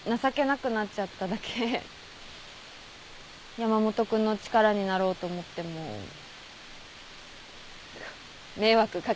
山本君の力になろうと思っても迷惑掛けるばっかりだし。